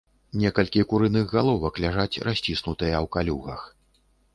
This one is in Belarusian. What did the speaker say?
Некалькі курыных галовак ляжаць расціснутыя ў калюгах.